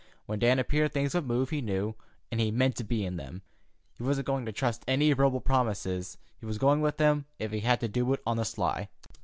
When Dan appeared things would move, he knew, and he meant to be in them. He wasn't going to trust any verbal promises. He was going with them if he had to do it on the sly.